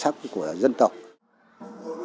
không phải là những diễn viên chuyên nghiệp